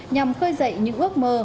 nhằm khơi dậy những ước mơ